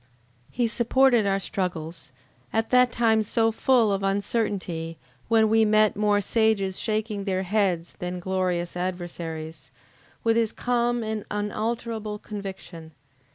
He supported our struggles, at that time so full of uncertainty, when we met more sages shaking their heads, than glorious adversaries, with his calm and unalterable conviction.